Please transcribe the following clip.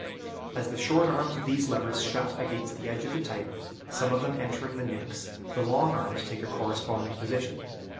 As the short arms of these levers shut against the edge of the type, some of them entering the nicks, the long arms take a corresponding position.